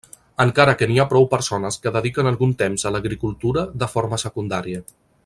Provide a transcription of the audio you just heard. Encara que n’hi ha prou persones que dediquen algun temps a l’agricultura de forma secundària.